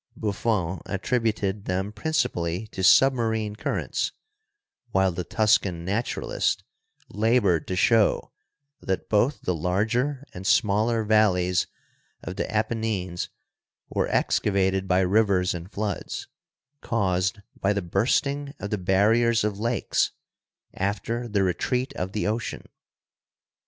Buffon attributed them principally to submarine currents, while the Tuscan naturalist labored to show that both the larger and smaller valleys of the Apennines were excavated by rivers and floods, caused by the bursting of the barriers of lakes after the retreat of the ocean.